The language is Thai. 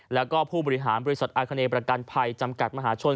และผู้บริหารบริษัทอะเขนการไผรจำกัดมหาชน